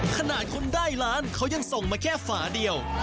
ขนาดคนได้ล้านเขายังส่งมาแค่ฝาเดียว